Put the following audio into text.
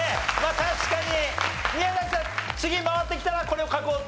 確かに宮崎さん次回ってきたらこれを書こうと？